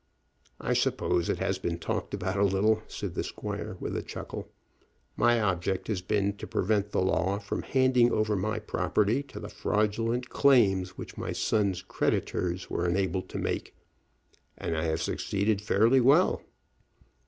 "I suppose it has been talked about a little," said the squire, with a chuckle. "My object has been to prevent the law from handing over my property to the fraudulent claims which my son's creditors were enabled to make, and I have succeeded fairly well.